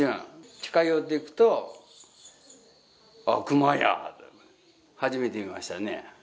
近寄っていくと、あっ、熊やって、初めて見ましたね。